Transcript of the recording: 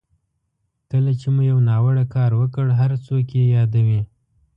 کله چې مو یو ناوړه کار وکړ هر څوک یې یادوي.